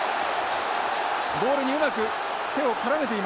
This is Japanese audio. ボールにうまく手を絡めています。